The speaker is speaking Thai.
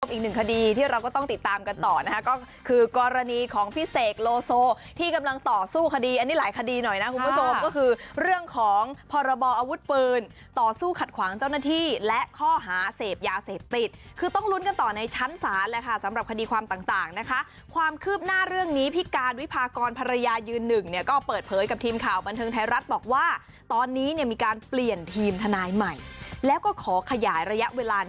อีกหนึ่งคดีที่เราก็ต้องติดตามกันต่อนะฮะก็คือกรณีของพี่เสกโลโซที่กำลังต่อสู้คดีอันนี้หลายคดีหน่อยนะคุณผู้ชมก็คือเรื่องของพรบออวุธปืนต่อสู้ขัดขวางเจ้าหน้าที่และข้อหาเสพยาเสพติดคือต้องลุ้นกันต่อในชั้นศาสตร์เลยค่ะสำหรับคดีความต่างนะคะความคืบหน้าเรื่องนี้พิการวิพากรภรรยาย